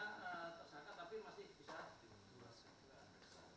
kira kira ada itu enggak